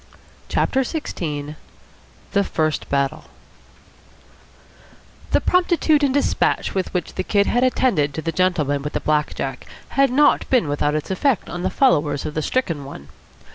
CHAPTER XVI THE FIRST BATTLE The promptitude and despatch with which the Kid had attended to the gentleman with the black jack had not been without its effect on the followers of the stricken one.